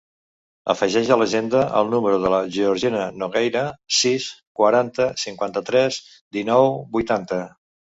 Afegeix a l'agenda el número de la Georgina Nogueira: sis, quaranta, cinquanta-tres, dinou, vuitanta.